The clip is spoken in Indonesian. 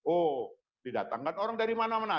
oh didatangkan orang dari mana mana